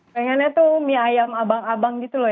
pengennya tuh mie ayam abang abang gitu loh